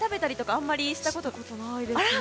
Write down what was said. あんまりしたことないですね。